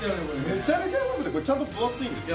めちゃめちゃこれちゃんと分厚いんですよ。